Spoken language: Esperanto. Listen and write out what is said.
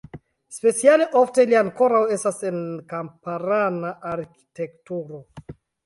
Speciale ofte ili ankoraŭ estas en kamparana arĥitekturo.